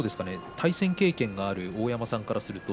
対戦経験がある大山さんからすると。